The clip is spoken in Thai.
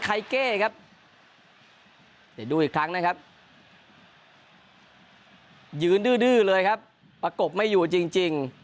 และดูอีกครั้งนะครับยืนดื้อดื้อเลยครับประกบไม่อยู่จริงจริง